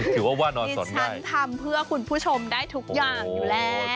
ถือว่าตอนนี้ฉันทำเพื่อคุณผู้ชมได้ทุกอย่างอยู่แล้ว